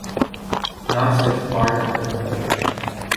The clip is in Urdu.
نہ صرف بارڈر نرم ہوں۔